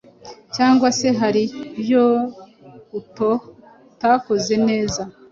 cyangwa se hari ibyo utakoze neza,